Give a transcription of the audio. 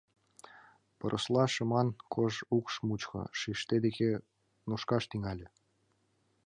Пырысла шыман кож укш мучко шиште деке нушкаш тӱҥале.